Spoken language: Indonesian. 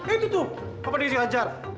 itu tuh apa dia dihajar